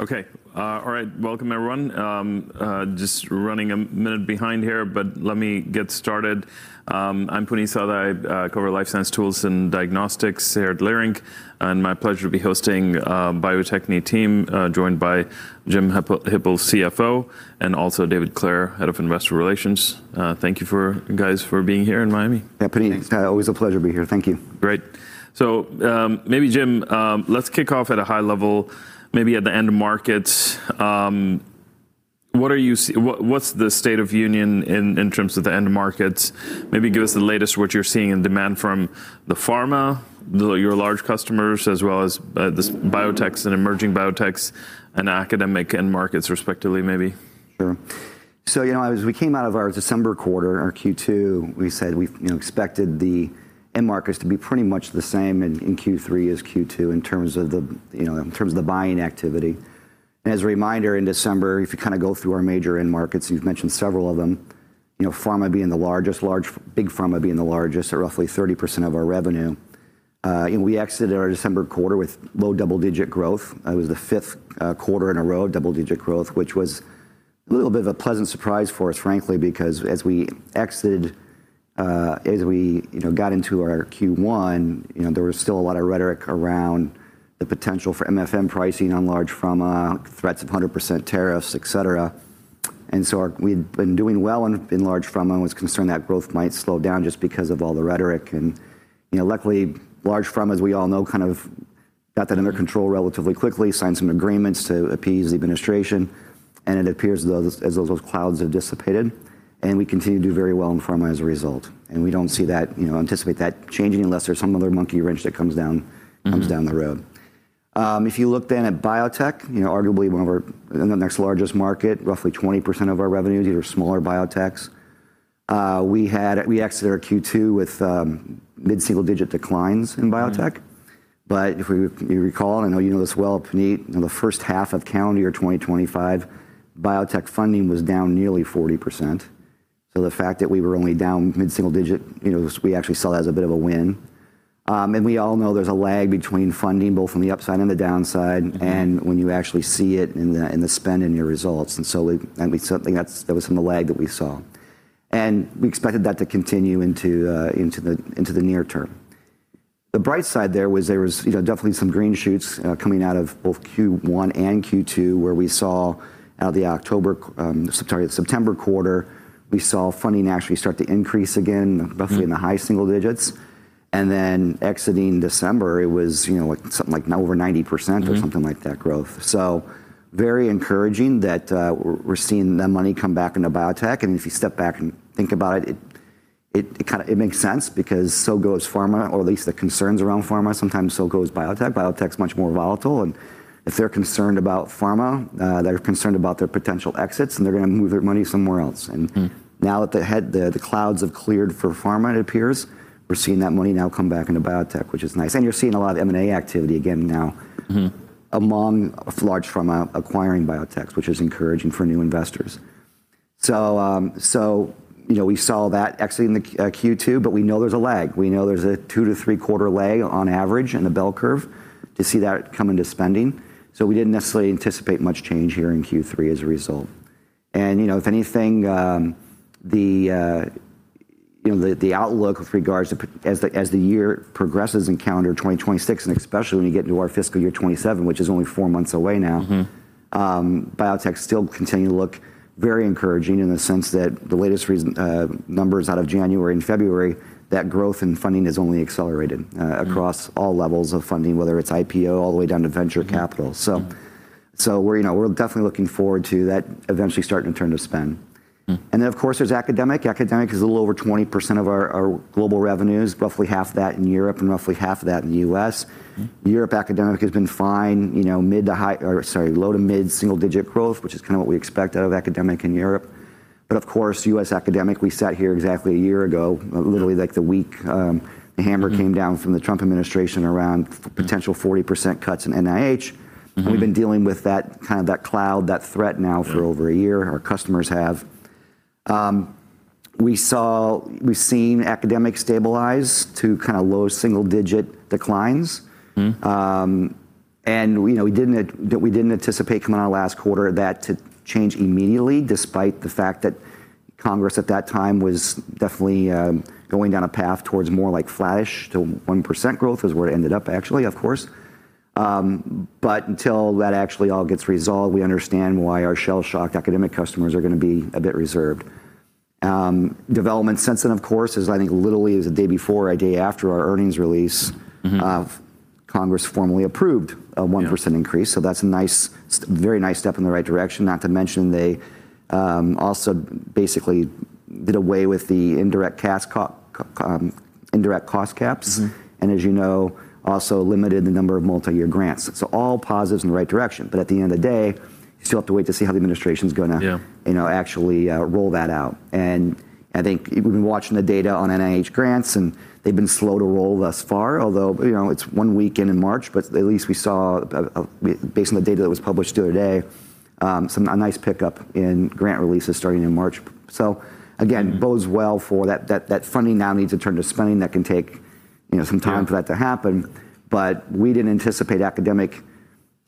Okay. All right. Welcome, everyone. Just running a minute behind here, but let me get started. I'm Puneet Souda. I cover life science tools and diagnostics here at Leerink, and it's my pleasure to be hosting the Bio-Techne team, joined by Jim Hippel, CFO, and also David Clair, Head of Investor Relations. Thank you, guys, for being here in Miami. Yeah, Puneet. Thanks. Always a pleasure to be here. Thank you. Great. Maybe Jim, let's kick off at a high level, maybe at the end markets. What's the state of the union in terms of the end markets? Maybe give us the latest, what you're seeing in demand from the pharma, your large customers, as well as the biotechs and emerging biotechs and academic end markets, respectively, maybe. Sure. You know, as we came out of our December quarter, our Q2, we said we you know expected the end markets to be pretty much the same in Q3 as Q2 in terms of the you know in terms of the buying activity. As a reminder, in December, if you kind of go through our major end markets, you've mentioned several of them, you know, pharma being the largest, big pharma being the largest at roughly 30% of our revenue. We exited our December quarter with low double-digit growth. It was the fifth quarter in a row, double-digit growth, which was a little bit of a pleasant surprise for us, frankly, because as we got into our Q1, you know, there was still a lot of rhetoric around the potential for MFN pricing on large pharma, threats of 100% tariffs, et cetera. We'd been doing well in large pharma and was concerned that growth might slow down just because of all the rhetoric. You know, luckily, large pharma, as we all know, kind of got that under control relatively quickly, signed some agreements to appease the administration, and it appears as though as those clouds have dissipated, and we continue to do very well in pharma as a result. We don't see that, you know, anticipate that changing unless there's some other monkey wrench that comes down, comes down the road. If you look then at biotech, you know, arguably the next largest market, roughly 20% of our revenues, either smaller biotechs. We exited our Q2 with mid-single-digit declines in biotech. If we recall, I know you know this well, Puneet, in the first half of calendar year 2025, biotech funding was down nearly 40%. The fact that we were only down mid-single-digit, you know, we actually saw it as a bit of a win. We all know there's a lag between funding, both from the upside and the downside. When you actually see it in the spend and your results. It's something that was from the lag that we saw. We expected that to continue into the near term. The bright side there was, you know, definitely some green shoots coming out of both Q1 and Q2, where we saw out of the September quarter, we saw funding actually start to increase again, roughly in the high single-digits. Exiting December, it was, you know, like something like now over 90%. or something like that growth. Very encouraging that we're seeing the money come back into biotech. If you step back and think about it kind of makes sense because so goes pharma or at least the concerns around pharma, sometimes so goes biotech. Biotech's much more volatile. If they're concerned about pharma, they're concerned about their potential exits, and they're gonna move their money somewhere else. Now that the clouds have cleared for pharma, it appears we're seeing that money now come back into biotech, which is nice. You're seeing a lot of M&A activity again now. among large pharma acquiring biotechs, which is encouraging for new investors. You know, we saw that exiting Q2, but we know there's a lag. We know there's a 2-3 quarter lag on average in the bell curve to see that come into spending. We didn't necessarily anticipate much change here in Q3 as a result. You know, if anything, the outlook with regards to, as the year progresses in calendar 2026, and especially when you get into our fiscal year 2027, which is only four months away now. Biotech still continue to look very encouraging in the sense that the latest numbers out of January and February, that growth in funding has only accelerated across all levels of funding, whether it's IPO, all the way down to venture capital. We're, you know, definitely looking forward to that eventually starting to turn to spend. Of course, there's academic. Academic is a little over 20% of our global revenues, roughly half that in Europe and roughly half that in the U.S. European academic has been fine, you know, low- to mid-single-digit growth, which is kind of what we expect out of academic in Europe. Of course, U.S. academic, we sat here exactly a year ago, literally like the week, the hammer came down from the Trump administration around potential 40% cuts in NIH. We've been dealing with that, kind of that cloud, that threat now for over a year. Our customers have. We've seen academic stabilize to kind of low single-digit declines. We, you know, didn't anticipate coming out of last quarter that to change immediately, despite the fact that Congress at that time was definitely going down a path towards more like flattish to 1% growth is where it ended up actually, of course. Until that actually all gets resolved, we understand why our shell-shocked academic customers are gonna be a bit reserved. Development since then, of course, is I think literally a day before or a day after our earnings release of Congress formally approved a 1% increase. Yeah. That's a nice, very nice step in the right direction. Not to mention they also basically did away with the indirect cost caps. As you know, also limited the number of multi-year grants. All positives in the right direction. At the end of the day, you still have to wait to see how the administration's gonna. Yeah. You know, actually, roll that out. I think we've been watching the data on NIH grants, and they've been slow to roll thus far, although, you know, it's one week in March, but at least we saw, based on the data that was published the other day, a nice pickup in grant releases starting in March. Again bodes well for that funding now needs to turn to spending that can take. You know, some time for that to happen. We didn't anticipate academic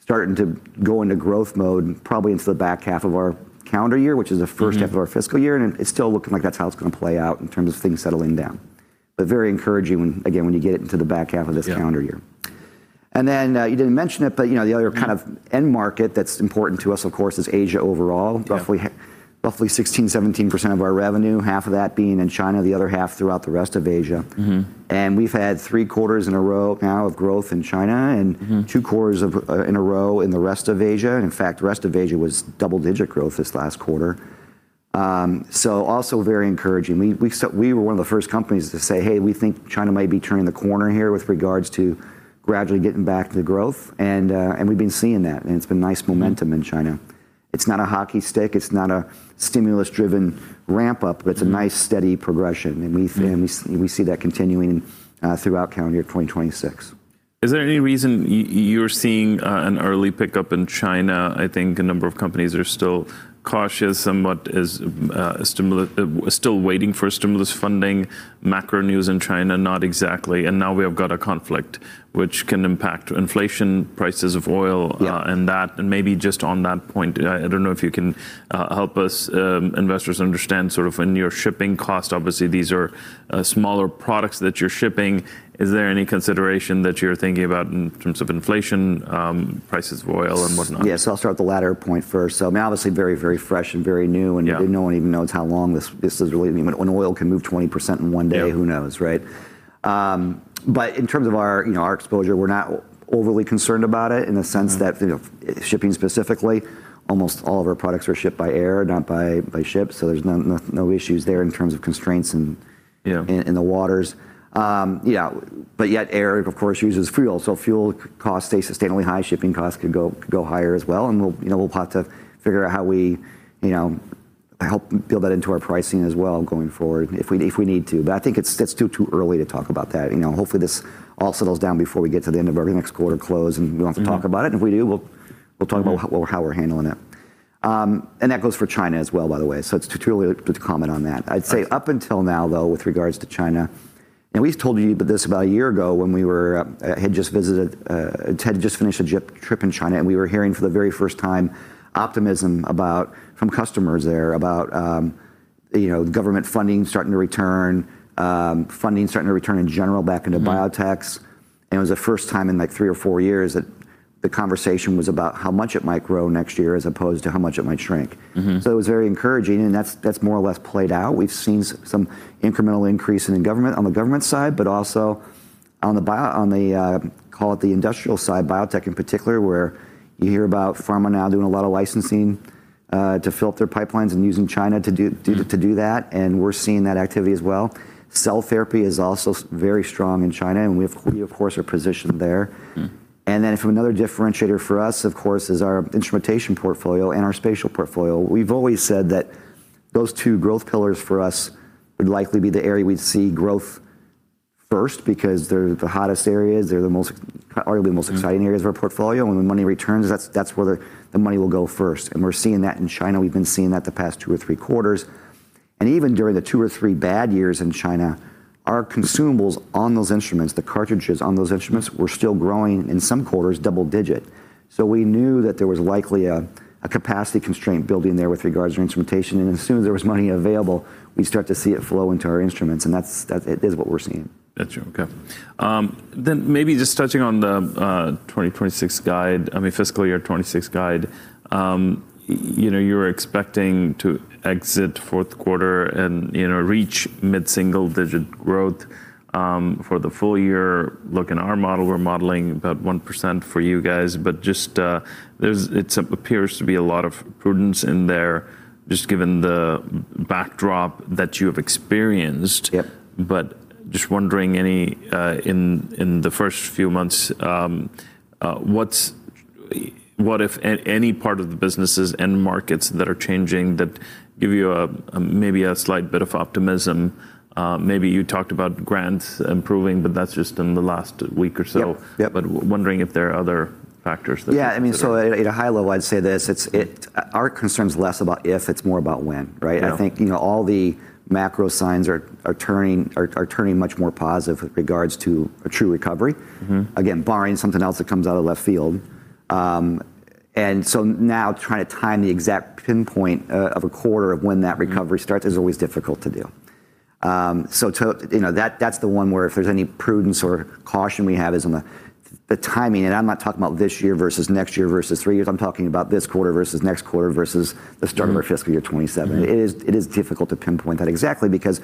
starting to go into growth mode probably into the back half of our calendar year, which is the first-half of our fiscal year, and it's still looking like that's how it's gonna play out in terms of things settling down. Very encouraging when, again, when you get it into the back half of this calendar year. Yeah. You didn't mention it, but you know, the other kind of end market that's important to us, of course, is Asia overall. Yeah. Roughly 16%-17% of our revenue, half of that being in China, the other half throughout the rest of Asia. We've had three quarters in a row now of growth in China two quarters in a row in the rest of Asia. In fact, the rest of Asia was double-digit growth this last quarter. Also very encouraging. We were one of the first companies to say, "Hey, we think China might be turning the corner here with regards to gradually getting back to growth." We've been seeing that, and it's been nice momentum in China. It's not a hockey stick. It's not a stimulus-driven ramp-up. It's a nice steady progression. We see that continuing throughout calendar year 2026. Is there any reason you're seeing an early pickup in China? I think a number of companies are still cautious, somewhat as still waiting for stimulus funding, macro news in China, not exactly, and now we have got a conflict which can impact inflation, prices of oil. Yeah. Maybe just on that point, I don't know if you can help us investors understand sort of in your shipping cost. Obviously these are smaller products that you're shipping. Is there any consideration that you're thinking about in terms of inflation, prices of oil and whatnot? Yes, I'll start the latter point first. I mean, obviously very, very fresh and very new. Yeah. You know, no one even knows how long this is really. I mean, when oil can move 20% in one day. Yeah. Who knows, right? In terms of our, you know, our exposure, we're not overly concerned about it in the sense that, you know, shipping specifically, almost all of our products are shipped by air, not by ship. There's no issues there in terms of constraints in. Yeah. In the waters. Yeah. Yet air, of course, uses fuel. Fuel costs stay sustainably high. Shipping costs could go higher as well, and we'll, you know, have to figure out how we, you know, help build that into our pricing as well going forward if we need to. I think it's too early to talk about that. You know, hopefully this all settles down before we get to the end of our next quarter close, and we don't. Have to talk about it, and if we do, we'll talk about how we're handling it. That goes for China as well, by the way. It's too early to comment on that. All right. I'd say up until now, though, with regards to China, and we've told you this about a year ago when we had just visited, Kim Kelderman just finished a trip in China, and we were hearing for the very first time optimism from customers there about, you know, government funding starting to return in general back into biotechs. It was the first time in, like, three or four years that the conversation was about how much it might grow next year as opposed to how much it might shrink. It was very encouraging, and that's more or less played out. We've seen some incremental increase in the government, on the government side, but also on the, call it the industrial side, biotech in particular, where you hear about pharma now doing a lot of licensing, to fill up their pipelines and using China to do that, and we're seeing that activity as well. Cell therapy is also very strong in China, and we of course are positioned there. From another differentiator for us, of course, is our instrumentation portfolio and our Spatial Portfolio. We've always said that those two growth pillars for us would likely be the area we'd see growth first because they're the hottest areas, exciting areas of our portfolio. When the money returns, that's where the money will go first. We're seeing that in China. We've been seeing that the past two or three quarters. Even during the two or three bad years in China, our consumables on those instruments, the cartridges on those instruments, were still growing, in some quarters, double digit. We knew that there was likely a capacity constraint building there with regards to instrumentation, and as soon as there was money available, we'd start to see it flow into our instruments, and that's what we're seeing. Got you. Okay. Maybe just touching on the 2026 guide, I mean, fiscal year 2026 guide, you know, you're expecting to exit fourth quarter and, you know, reach mid-single-digit growth for the full year. Looking at our model, we're modeling about 1% for you guys, but just, it appears to be a lot of prudence in there just given the backdrop that you have experienced. Yep. Just wondering any in the first few months, what if any part of the businesses end markets that are changing that give you a maybe a slight bit of optimism. Maybe you talked about grants improving, but that's just in the last week or so. Yep. Yep. Wondering if there are other factors that Yeah. I mean, so at a high level, I'd say this, it's our concern is less about if, it's more about when, right? Yeah. I think, you know, all the macro signs are turning much more positive with regards to a true recovery. Again, barring something else that comes out of left field. Now trying to time the exact pinpoint of a quarter of when that recovery starts is always difficult to do. So too, you know, that's the one where if there's any prudence or caution we have, is on the timing. I'm not talking about this year versus next year versus three years. I'm talking about this quarter versus next quarter versus the start of our fiscal year 2027. It is difficult to pinpoint that exactly because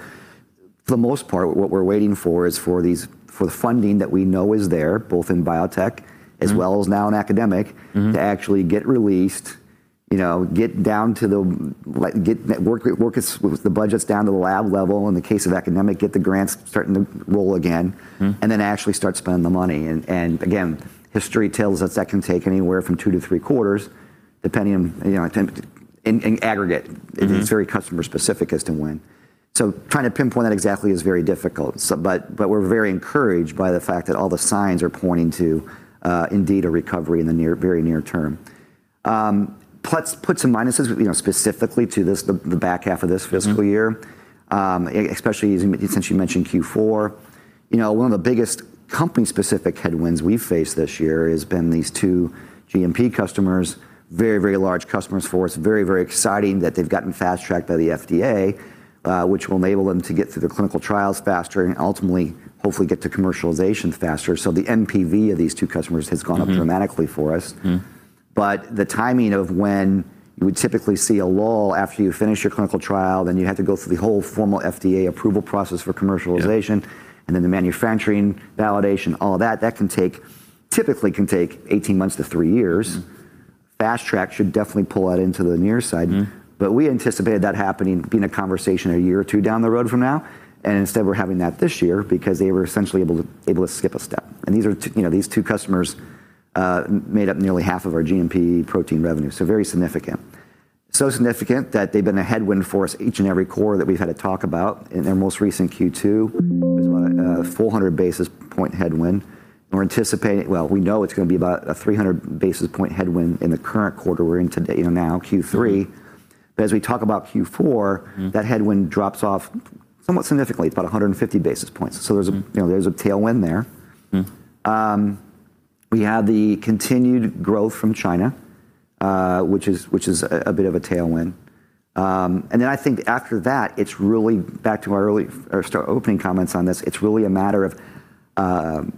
for the most part, what we're waiting for is for these, for the funding that we know is there, both in biotech as well as now in academic. To actually get released, you know, get to work as with the budgets down to the lab level. In the case of academic, get the grants starting to roll again, actually start spending the money. Again, history tells us that can take anywhere from 2-3 quarters, depending on, you know, in aggregate. It's very customer specific as to when. Trying to pinpoint that exactly is very difficult. But we're very encouraged by the fact that all the signs are pointing to indeed a recovery in the near, very near term. Put some minuses, you know, specifically to this, the back half of this fiscal year. Especially, since you mentioned Q4. You know, one of the biggest company specific headwinds we've faced this year has been these two GMP customers. Very, very large customers for us, very, very exciting that they've gotten Fast Track by the FDA, which will enable them to get through the clinical trials faster and ultimately hopefully get to commercialization faster. The NPV of these two customers has gone up dramatically for us. .The timing of when you would typically see a lull after you finish your clinical trial, then you have to go through the whole formal FDA approval process for commercialization. Yeah. The manufacturing, validation, all of that can take typically 18 months to three years. Fast track should definitely pull that into the near side. We anticipated that happening, being a conversation a year or two down the road from now, and instead we're having that this year because they were essentially able to skip a step. These are two, you know, these two customers made up nearly half of our GMP protein revenue, so very significant. Significant that they've been a headwind force each and every quarter that we've had a talk about, in the most recent Q2, a 400 basis point headwind. Well, we know it's gonna be about a 300 basis point headwind in the current quarter we're in today, you know, now, Q3. As we talk about Q4. That headwind drops off somewhat significantly, about 150 basis points, so there's a you know, there's a tailwind there. We have the continued growth from China, which is a bit of a tailwind. I think after that, it's really back to our opening comments on this. It's really a matter of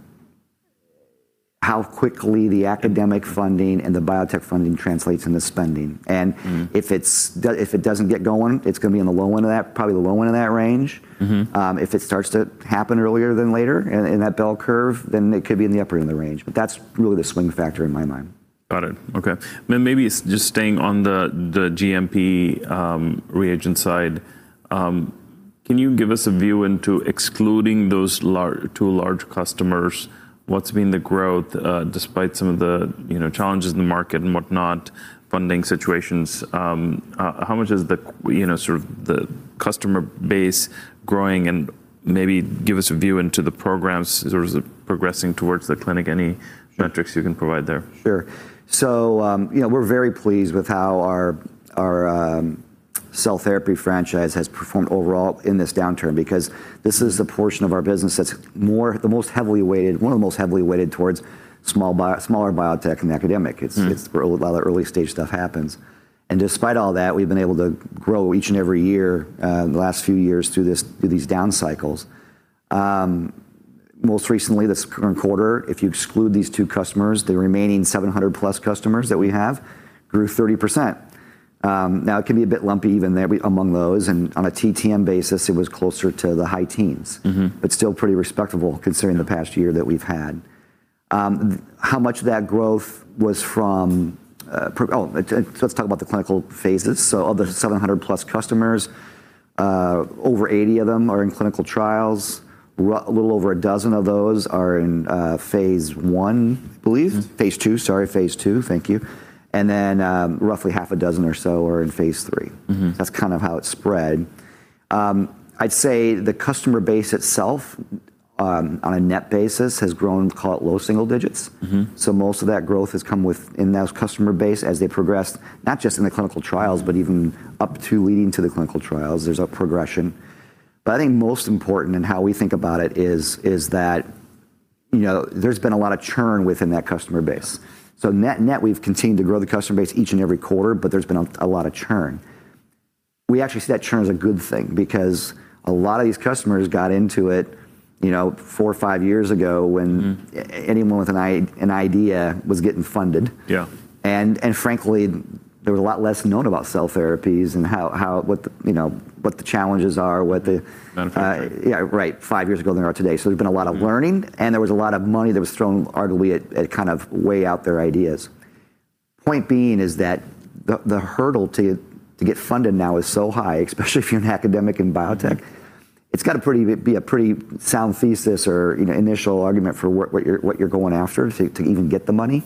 how quickly the academic funding and the biotech funding translates into spending. If it doesn't get going, it's gonna be on the low end of that, probably the low end of that range. If it starts to happen earlier than later in that bell curve, then it could be in the upper end of the range. That's really the swing factor in my mind. Got it, okay. Maybe just staying on the GMP reagent side, can you give us a view into excluding those two large customers, what's been the growth despite some of the, you know, challenges in the market and whatnot, funding situations, how much is, you know, sort of the customer base growing, and maybe give us a view into the programs as they're progressing towards the clinic. Any metrics you can provide there? Sure. You know, we're very pleased with how our cell therapy franchise has performed overall in this downturn, because this is the portion of our business that's the most heavily weighted, one of the most heavily weighted towards smaller biotech and academic. It's where a lot of early stage stuff happens. Despite all that, we've been able to grow each and every year, the last few years through this, through these down cycles. Most recently, this current quarter, if you exclude these two customers, the remaining 700 plus customers that we have grew 30%. Now it can be a bit lumpy even there among those, and on a TTM basis, it was closer to the high-teens. Still pretty respectable considering the past year that we've had. How much of that growth was from? Let's talk about the clinical phases. Of the 700+ customers, over 80 of them are in clinical trials. A little over a dozen of those are in phase I, I believe phase II. Thank you. Then, roughly half a dozen or so are in phase III. That's kind of how it's spread. I'd say the customer base itself on a net basis has grown, call it, low single-digits%. Most of that growth has come within that customer base as they progressed, not just in the clinical trials, but even up to leading to the clinical trials. There's a progression. I think most important in how we think about it is that, you know, there's been a lot of churn within that customer base. Net, we've continued to grow the customer base each and every quarter, but there's been a lot of churn. We actually see that churn as a good thing because a lot of these customers got into it, you know, four or five years ago when. Anyone with an idea was getting funded. Yeah. Frankly, there was a lot less known about cell therapies and how, you know, what the challenges are. Manufacturing. Right. Five years ago than there are today. There's been a lot of learning, and there was a lot of money that was thrown arguably at kind of way out there ideas. Point being is that the hurdle to get funded now is so high, especially if you're in academic and biotech. It's got to be a pretty sound thesis or, you know, initial argument for what you're going after to even get the money.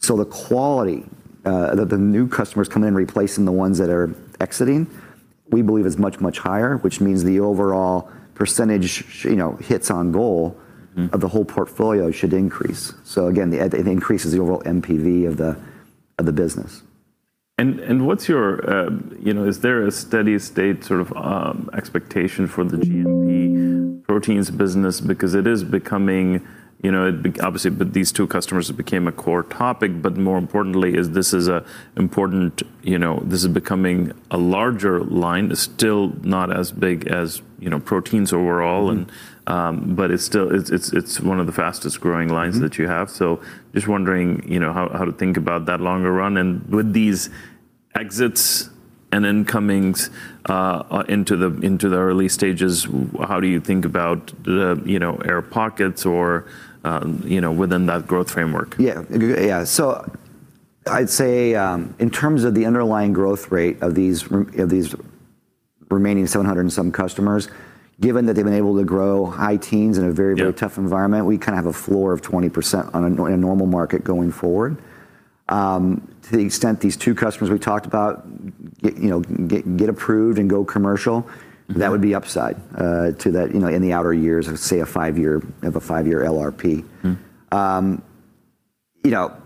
The quality, the new customers come in replacing the ones that are exiting, we believe is much higher, which means the overall percentage, you know, hits on goal of the whole portfolio should increase. Again, it increases the overall NPV of the business. What's your, you know, is there a steady state sort of expectation for the GMP proteins business? Because it is becoming, you know, obviously with these two customers, it became a core topic, but more importantly this is an important, you know, this is becoming a larger line. It's still not as big as, you know, proteins overall and it's still one of the fastest growing lines that you have. Just wondering, you know, how to think about that longer run, and would these exits and incomings into the early stages, how do you think about the, you know, air pockets or, you know, within that growth framework? Yeah. Yeah, so I'd say, in terms of the underlying growth rate of these remaining 700 and some customers, given that they've been able to grow high-teens% in a very, very tough environment. Yeah. We kind of have a floor of 20% in a normal market going forward. To the extent these two customers we talked about, you know, get approved and go commercial that would be upside to that, you know, in the outer years of, say, a five-year LRP. You know,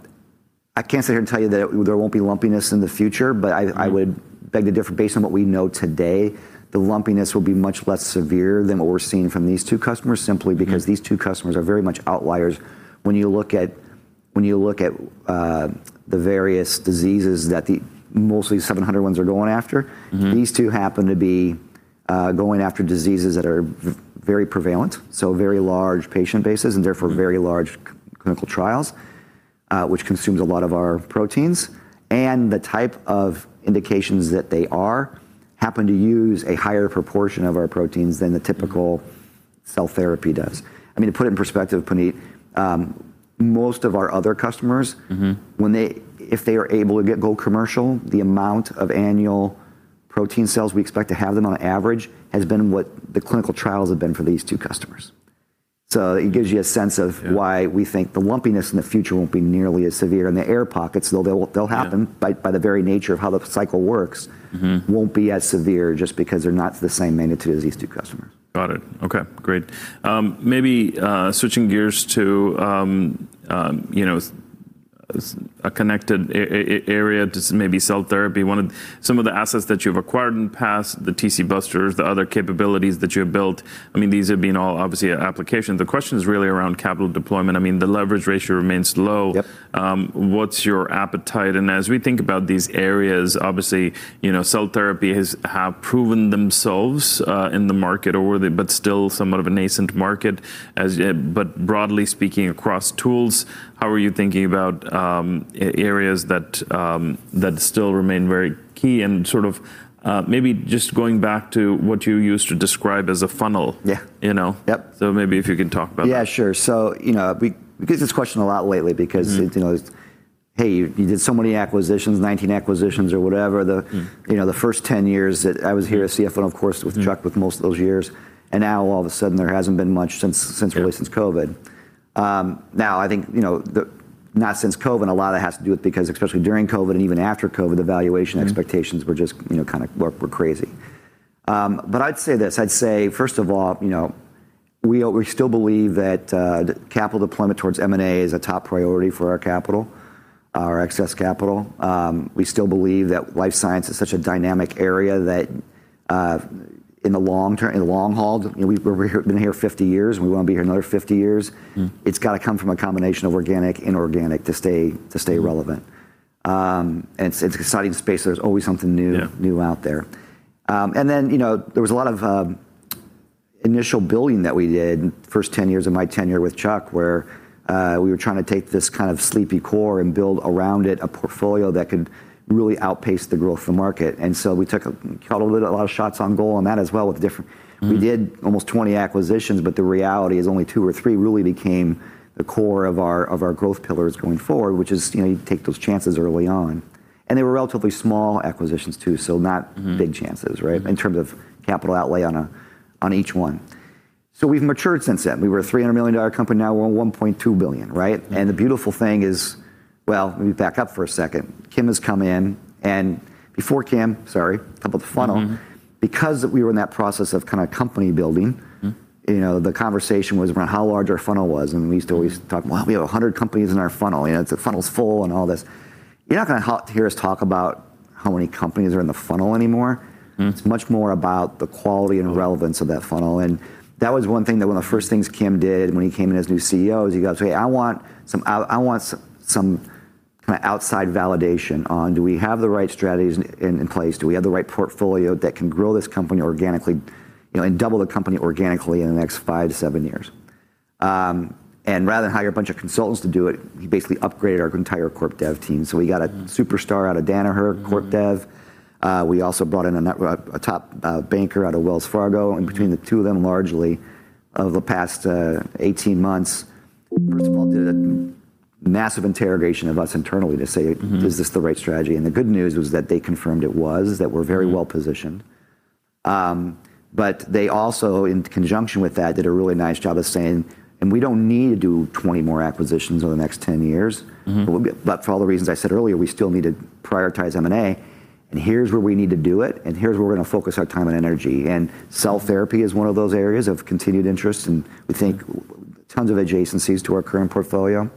I can't sit here and tell you that there won't be lumpiness in the future, but I would beg to differ. Based on what we know today, the lumpiness will be much less severe than what we're seeing from these two customers, simply because these two customers are very much outliers when you look at the various diseases that the mostly 700 ones are going after. These two happen to be going after diseases that are very prevalent, so very large patient bases, and therefore, very large clinical trials, which consumes a lot of our proteins, and the type of indications that they are happen to use a higher proportion of our proteins than the typical cell therapy does. I mean, to put it in perspective, Puneet, most of our other customers if they are able to get going commercial, the amount of annual protein sales we expect to have from them on average has been what the clinical trials have been for these two customers. It gives you a sense of. Yeah. Why we think the lumpiness in the future won't be nearly as severe. The air pockets, they'll happen. Yeah. By the very nature of how the cycle works won't be as severe just because they're not the same magnitude as these two customers. Got it. Okay, great. Maybe switching gears to, you know, a connected area to maybe cell therapy, one of some of the assets that you've acquired in the past, the TcBuster, the other capabilities that you have built, I mean, these have been all obviously applications. The question is really around capital deployment. I mean, the leverage ratio remains low. Yep. What's your appetite? As we think about these areas, obviously, you know, cell therapy have proven themselves in the market but still somewhat of a nascent market. Broadly speaking, across tools, how are you thinking about areas that still remain very key and sort of, maybe just going back to what you used to describe as a funnel? Yeah. You know? Yep. Maybe if you can talk about that. Yeah, sure. You know, we get this question a lot lately because you know, "Hey, you did so many acquisitions, 19 acquisitions or whatever, you know, the first 10 years that I was here as CFO and of course with Chuck with most of those years, and now all of a sudden there hasn't been much since. Yeah. Really since COVID. Now I think, you know, not since COVID, and a lot of it has to do with because especially during COVID and even after COVID, the valuation expectations. They were just, you know, kind of crazy. I'd say this. I'd say, first of all, you know, we still believe that capital deployment towards M&A is a top priority for our capital, our excess capital. We still believe that life science is such a dynamic area that in the long haul, you know, we've been here 50 years and we want to be here another 50 years. It's got to come from a combination of organic, inorganic to stay relevant. It's an exciting space. There's always something new. Yeah. New out there. You know, there was a lot of initial building that we did first 10 years of my tenure with Chuck, where we were trying to take this kind of sleepy core and build around it a portfolio that could really outpace the growth of the market. We took a lot of shots on goal on that as well with different. We did almost 20 acquisitions, but the reality is only two or three really became the core of our growth pillars going forward, which is, you know, you take those chances early on. They were relatively small acquisitions too, so not big chances, right? In terms of capital outlay on each one. We've matured since then. We were a $300 million company, now we're $1.2 billion, right? Yeah. The beautiful thing is. Well, let me back up for a second. Kim has come in, and before Kim, sorry, talk about the funnel. Because we were in that process of kind of company building. You know, the conversation was around how large our funnel was, and we used to always talk, "Well, we have 100 companies in our funnel," you know? "The funnel's full," and all this. You're not gonna hear us talk about how many companies are in the funnel anymore. It's much more about the quality and relevance of that funnel. That was one thing that one of the first things Kim did when he came in as new CEO is he goes, "Okay, I want some kind of outside validation on do we have the right strategies in place? Do we have the right portfolio that can grow this company organically, you know, and double the company organically in the next five to seven years?" Rather than hire a bunch of consultants to do it, he basically upgraded our entire Corp Dev Team. We got a superstar out of Danaher Corporation. We also brought in a top banker out of Wells Fargo, and between the two of them, largely, over the past 18 months, first of all, did a massive interrogation of us internally to say. Is this the right strategy?" The good news was that they confirmed it was, that we're very well-positioned. But they also, in conjunction with that, did a really nice job of saying, "And we don't need to do 20 more acquisitions over the next 10 years for all the reasons I said earlier, we still need to prioritize M&A, and here's where we need to do it, and here's where we're gonna focus our time and energy. Cell therapy is one of those areas of continued interest, and we think tons of adjacencies to our current portfolio.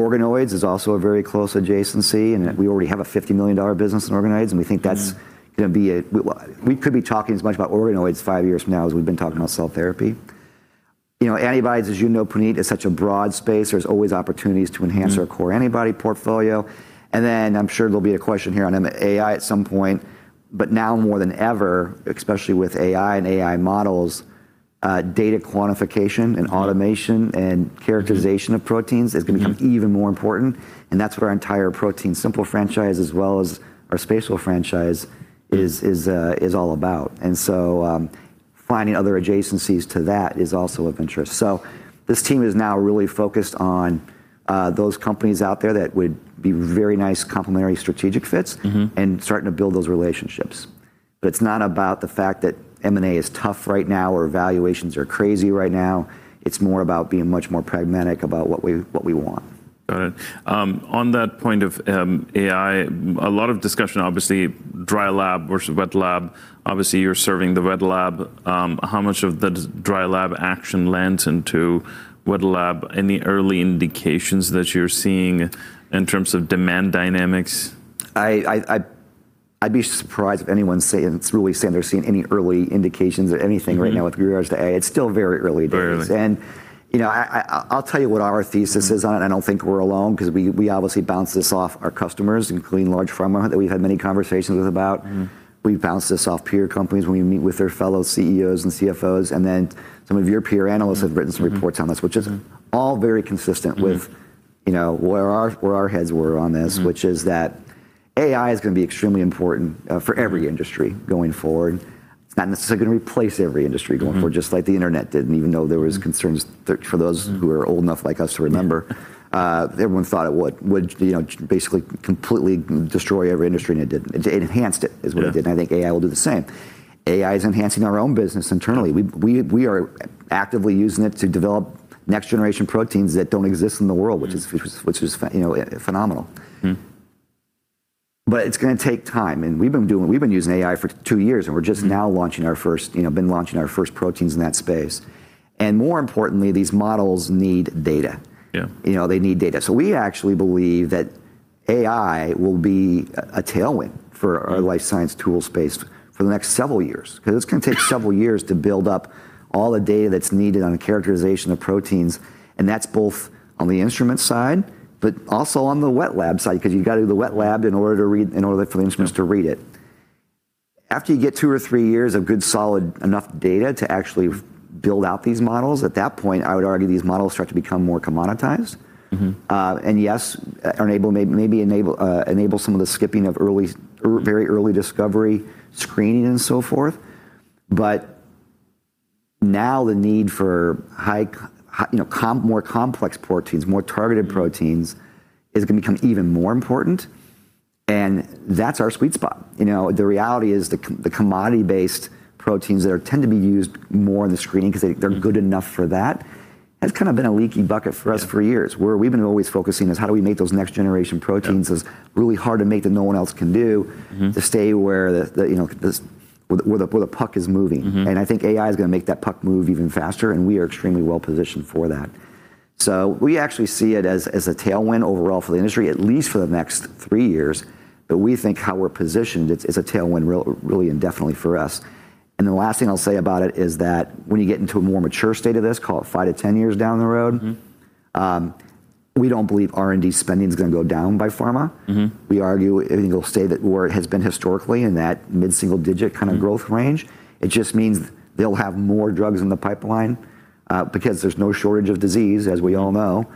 Organoids is also a very close adjacency in that we already have a $50 million business in organoids, and we think that's. We could be talking as much about organoids five years from now as we've been talking about cell therapy. You know, antibodies, as you know, Puneet, is such a broad space. There's always opportunities to enhance. Our core antibody portfolio. Then I'm sure there'll be a question here on AI at some point, but now more than ever, especially with AI and AI models, data quantification and automation and characterization of proteins is gonna become even more important, and that's what our entire ProteinSimple franchise as well as our Spatial franchise is all about. Finding other adjacencies to that is also of interest. This team is now really focused on those companies out there that would be very nice complementary strategic fits. Starting to build those relationships. It's not about the fact that M&A is tough right now or valuations are crazy right now, it's more about being much more pragmatic about what we want. Got it. On that point of AI, a lot of discussion obviously dry lab versus wet lab. Obviously you're serving the wet lab. How much of the dry lab action lands into wet lab? Any early indications that you're seeing in terms of demand dynamics? I'd be surprised if anyone's saying, really saying they're seeing any early indications of anything right now with regards to AI. It's still very early days. Very early. You know, I'll tell you what our thesis is on it. I don't think we're alone, 'cause we obviously bounce this off our customers, including large pharma that we had many conversations with about. We bounce this off peer companies when we meet with their fellow CEOs and CFOs, and then some of your peer analysts have written some reports on this which is all very consistent with, you know, where our heads were on this which is that AI is gonna be extremely important for every industry going forward. It's not necessarily gonna replace every industry going forward. Just like the internet didn't, even though there was concerns, for those who are old enough like us to remember. Yeah. Everyone thought it would, you know, basically completely destroy every industry, and it didn't. It enhanced it is what it did. It did. I think AI will do the same. AI is enhancing our own business internally. We are actively using it to develop next generation proteins that don't exist in the world which is you know, phenomenal. It's gonna take time, and we've been using AI for two years, and we're just now, you know, been launching our first proteins in that space. More importantly, these models need data. Yeah. You know, they need data. We actually believe that AI will be a tailwind for our life science tools space for the next several years, 'cause it's gonna take several years to build up all the data that's needed on the characterization of proteins, and that's both on the instrument side, but also on the wet lab side, 'cause you gotta do the wet lab in order to read, in order for the instruments to read it. After you get two or three years of good solid enough data to actually build out these models, at that point, I would argue these models start to become more commoditized. Yes, maybe enable some of the skipping of very early discovery screening and so forth, but now the need for high complexity, you know, more complex proteins, more targeted proteins, is gonna become even more important, and that's our sweet spot. You know, the reality is the commodity based proteins that tend to be used more in the screening, 'cause they're good enough for that. Has kind of been a leaky bucket for us for years. Yeah. Where we've been always focusing is how do we make those next generation proteins. Yeah. That's really hard to make, that no one else can do to stay where the puck is moving. I think AI's gonna make that puck move even faster, and we are extremely well positioned for that. We actually see it as a tailwind overall for the industry, at least for the next three years, but we think how we're positioned, it's a tailwind really indefinitely for us. The last thing I'll say about it is that when you get into a more mature state of this, call it 5-10 years down the road. We don't believe R&D spending is gonna go down by pharma. We argue it'll stay where it has been historically in that mid-single-digit kind of growth range. It just means they'll have more drugs in the pipeline because there's no shortage of disease, as we all know.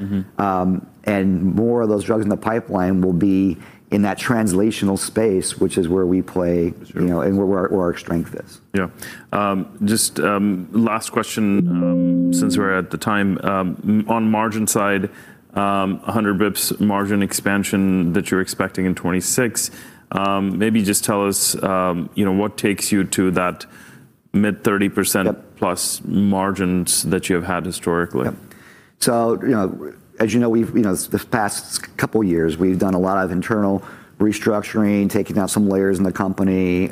More of those drugs in the pipeline will be in that translational space, which is where we play. Sure. You know, and where our strength is. Yeah. Just last question, since we're at the time. On margin side, 100 basis points margin expansion that you're expecting in 2026, maybe just tell us, you know, what takes you to that mid-30%? Yep. Plus margins that you have had historically? Yep. You know, as you know, we've, you know, this past couple years we've done a lot of internal restructuring, taking out some layers in the company,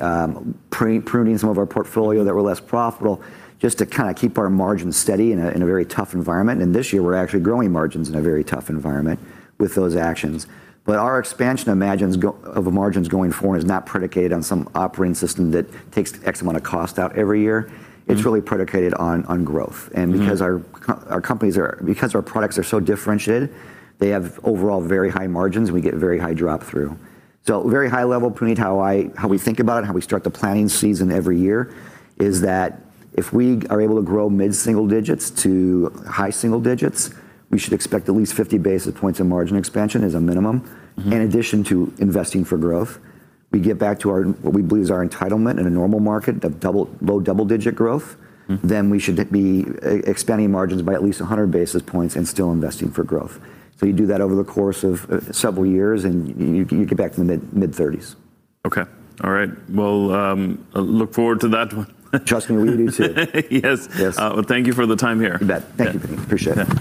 pruning some of our portfolio that were less profitable, just to kind of keep our margins steady in a very tough environment. This year we're actually growing margins in a very tough environment with those actions. Our expansion of margins going forward is not predicated on some operating system that takes X amount of cost out every year. It's really predicated on growth. Because our products are so differentiated, they have overall very high margins, and we get very high drop through. Very high level, Puneet, how we think about it, how we start the planning season every year, is that if we are able to grow mid-single-digits to high single-digits, we should expect at least 50 basis points in margin expansion as a minimum. In addition to investing for growth, we get back to our, what we believe is our entitlement in a normal market, the double, low double-digit growth. We should be expanding margins by at least 100 basis points and still investing for growth. You do that over the course of several years and you get back to the mid-30s%. Okay. All right. Well, look forward to that one. Trust me, we do too. Yes. Yes. Well, thank you for the time here. You bet. Thank you. Appreciate it.